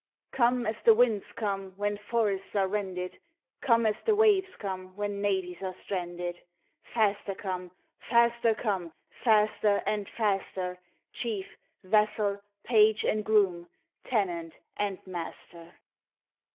(13.5] RAINBOW GOLD Come as the winds come, when Forests are rended; Come as the waves come, when Navies are stranded: Faster come, faster come, Faster and faster, Chief, vassal, page and groom, Tenant and master.